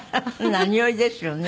何よりですよね